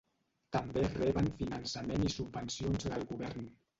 També reben finançament i subvencions del govern.